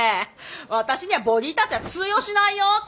私にはボディータッチは通用しないよって。